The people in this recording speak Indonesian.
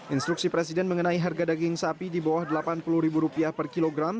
instruksi presiden mengenai harga daging sapi di bawah delapan puluh ribu rupiah per kilogram